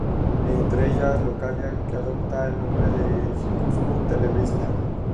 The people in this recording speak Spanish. Entre ellas Localia Gipuzkoa, que adopta el nombre de Gipuzkoa Telebista.